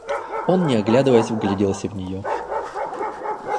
Он, не останавливаясь, вгляделся в нее.